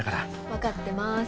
わかってます。